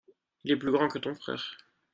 Il est plus grand que ton frère.